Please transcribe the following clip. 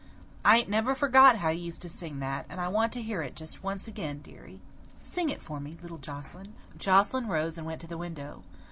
I ain't never forgot how you used to sing that, and I want to hear it just once again, dearie. Sing it for me, little Joscelyn." Joscelyn rose and went to the window.